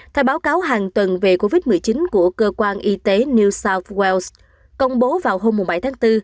theo báo cáo hàng tuần về covid một mươi chín của cơ quan y tế new south wells công bố vào hôm bảy tháng bốn